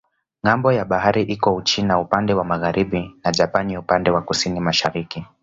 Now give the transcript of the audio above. Ng'ambo ya bahari iko Uchina upande wa magharibi na Japani upande wa kusini-mashariki.